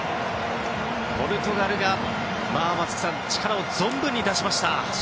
ポルトガルが力を存分に出しました。